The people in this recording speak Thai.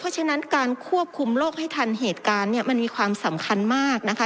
เพราะฉะนั้นการควบคุมโรคให้ทันเหตุการณ์เนี่ยมันมีความสำคัญมากนะคะ